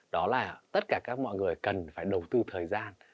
đó là tất cả các mọi người cần phải đầu tư thời gian